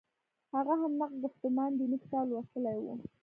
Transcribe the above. هغه هم نقد ګفتمان دیني کتاب لوستلی و.